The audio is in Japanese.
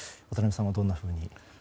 渡辺さんはどんなふうに？